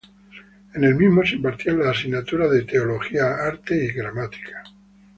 En el mismo se impartían las asignaturas de Teología, Artes y Gramática.